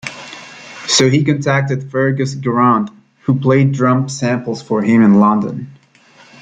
So he contacted Fergus Gerrand who played drum samples for him in London.